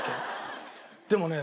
でもね